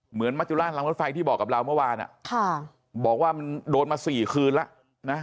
เหมือนมัจจุราชรังรถไฟที่บอกกับเราเมื่อวานบอกว่ามันโดนมา๔คืนแล้วนะ